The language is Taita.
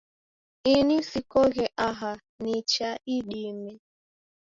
Ini sikoghe aha nacha idime